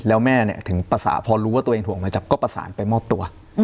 แล้วแม่ถึงประสาทพอรู้ว่าตัวเองถูกหมายจับก็ประสานไปมอบตัว